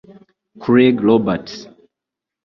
craig roberts